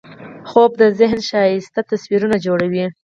خوب د ذهن ښایسته تصویرونه جوړوي